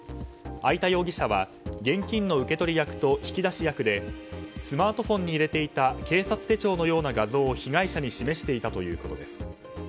会田容疑者は現金の受け取り役と引き出し役でスマートフォンに入れていた警察手帳のような画像を被害者に示していたということです。